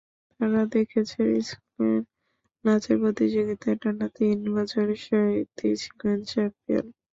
তাঁরা দেখেছেন, স্কুলের নাচের প্রতিযোগিতায় টানা তিন বছর শৈতী ছিলেন চ্যাম্পিয়ন।